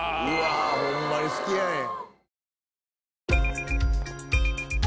ホンマに好きやねん。